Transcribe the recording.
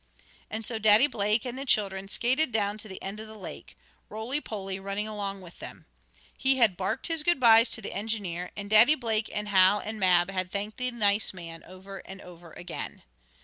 And so Daddy Blake and the children skated down to the end of the lake, Roly Poly running along with them. He had barked his good byes to the engineer, and Daddy Blake and Hal and Mab had thanked the nice man over and over again.